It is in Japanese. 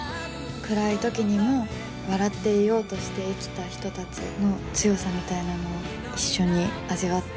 暗い時にも笑っていようとして生きた人たちの強さみたいなものを一緒に味わっていただけたらうれしいなと。